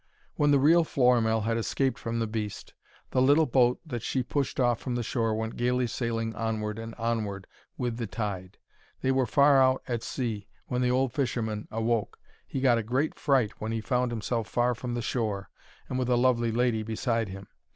When the real Florimell had escaped from the beast, the little boat that she pushed off from the shore went gaily sailing onward and onward with the tide. They were far out at sea when the old fisherman awoke. He got a great fright when he found himself far from the shore, and with a lovely lady beside him.